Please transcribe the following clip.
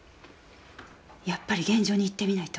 やっぱり現場に行ってみないと。